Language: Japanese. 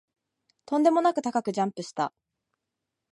とんでもなく高くジャンプした